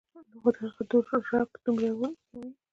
خو د هغو رعب دومره وي